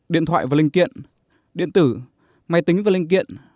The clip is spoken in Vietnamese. điện thoại và linh kiện điện tử máy tính và linh kiện